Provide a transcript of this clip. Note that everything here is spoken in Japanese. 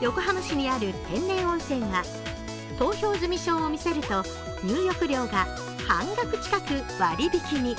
横浜市にある天然温泉は投票済証を見せると入浴料が半額近く割引に。